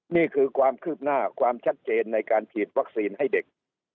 นี่คือความคืบหน้าความชัดเจนในการฉีดวัคซีนให้เด็ก